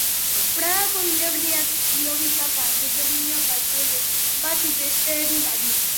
Pragako hilerrian hilobi-kapa desberdinak baitaude, batzuk besteen gainean.